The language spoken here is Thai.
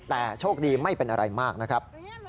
แต่โชคดีไม่เป็นอะไรมากนะครับ